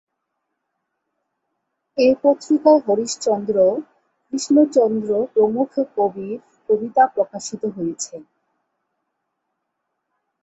এ পত্রিকায় হরিশ্চন্দ্র, কৃষ্ণচন্দ্র প্রমুখ কবির কবিতা প্রকাশিত হয়েছে।